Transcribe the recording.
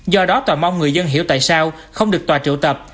do đó tòa mong người dân hiểu tại sao không được tòa triệu tập